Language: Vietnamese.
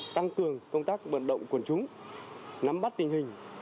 tăng cường công tác vận động quần chúng nắm bắt tình hình